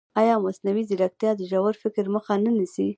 ایا مصنوعي ځیرکتیا د ژور فکر مخه نه نیسي؟